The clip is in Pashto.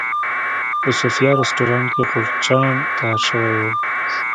په صوفیا رسټورانټ کې غورچاڼ تیار شوی و.